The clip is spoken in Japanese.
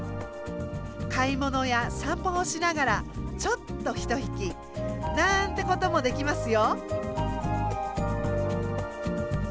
買い物や散歩をしながらちょっと一息。なんてこともできますよ。